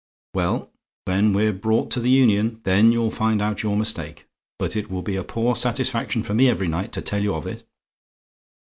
"Well, when we're brought to the Union, then you'll find out your mistake. But it will be a poor satisfaction for me every night to tell you of it.